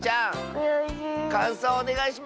かんそうをおねがいします！